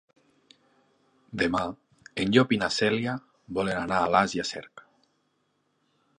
Demà en Llop i na Cèlia volen anar a Alàs i Cerc.